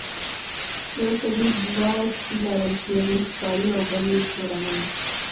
یو سړي دوه سپي لرل چې یو یې ښکاري او بل یې کورنی و.